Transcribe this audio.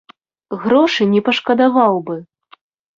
Грошы не пашкадаваў бы.